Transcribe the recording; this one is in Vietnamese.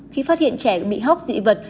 khi phát hiện trẻ bị hốc dị vật